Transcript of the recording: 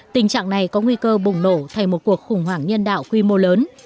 tình trạng này có nguy cơ bùng nổ thành một cuộc khủng hoảng nhân đạo quy mô lớn